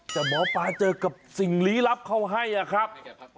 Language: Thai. แต่หมอปลาเจอกับสิ่งลี้ลับเขาให้อะครับ